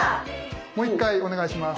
もう一回お願いします。